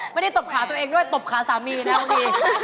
ไม่ได้ตบขาตัวเองด้วยตบขาสามีนะโอเค